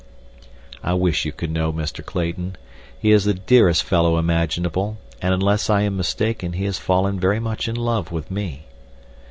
I wish you could know Mr. Clayton; he is the dearest fellow imaginable, and unless I am mistaken he has fallen very much in love with me.